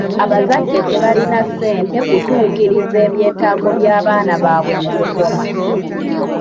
Abazadde tebalina ssente kutuukiriza ebyetaago by'abaana baabwe mu kusoma.